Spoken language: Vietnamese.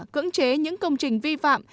cưỡng chế những công trình vi phạm